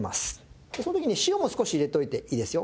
その時に塩も少し入れておいていいですよ。